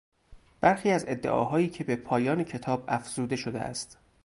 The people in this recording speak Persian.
برخی از ادعاهایی که به پایان کتاب افزوده شده است.